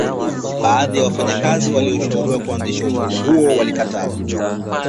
Baadhi ya wafanyakazi walioshauriwa kuanzisha umoja huo walikataa